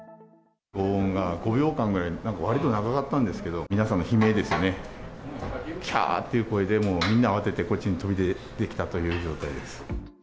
ごう音が５秒間ぐらい、わりと長かったんですけど、皆さんの悲鳴ですね、きゃーっていう声で、もうみんな慌ててこっちに飛び出てきたという状態です。